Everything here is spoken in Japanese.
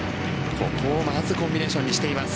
ここをまずコンビネーションにしています。